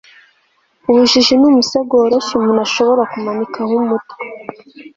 ubujiji ni umusego woroshye umuntu ashobora kumanikaho umutwe